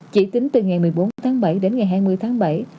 chỉ tính từ ngày một mươi bốn tháng bảy đến ngày hai mươi tháng bảy